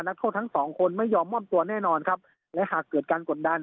นักโทษทั้งสองคนไม่ยอมมอบตัวแน่นอนครับและหากเกิดการกดดัน